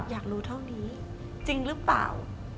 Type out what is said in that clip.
อยากรู้เท่านี้จริงหรือเปล่า